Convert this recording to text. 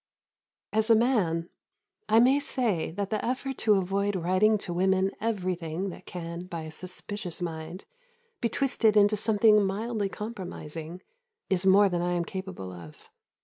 As a man, I may say that the effort to avoid writing to women everything that can, by a suspicious mind, be twisted into something mildly compromising, is more than I am capable of.